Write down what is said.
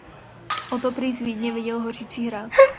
Otto prý z Vídně viděl hořící hrad.